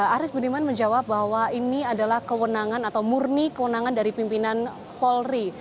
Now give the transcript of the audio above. aris budiman menjawab bahwa ini adalah kewenangan atau murni kewenangan dari pimpinan polri